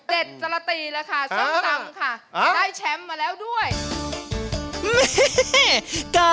เด็ดจรตีแล้วค่ะ